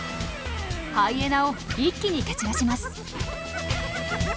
ハイエナを一気に蹴散らします。